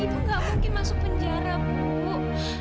ibu nggak mungkin masuk penjara bu